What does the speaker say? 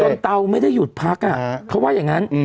เตาไม่ได้หยุดพักเขาว่าอย่างนั้น